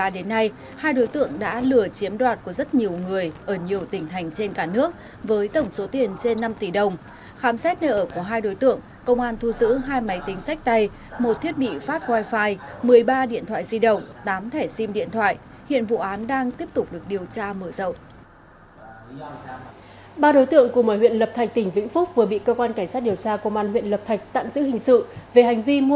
thì bị lừa chiếm đoạt mất một mươi năm triệu đồng trong tài khoản ngân hàng của mình